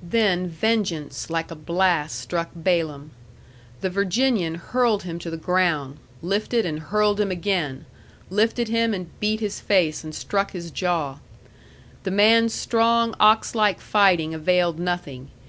Then vengeance like a blast struck Balaam. The Virginian hurled him to the ground, lifted and hurled him again, lifted him and beat his face and struck his jaw. The man's strong ox like fighting availed nothing.